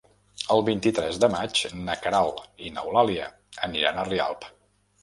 El vint-i-tres de maig na Queralt i n'Eulàlia aniran a Rialp.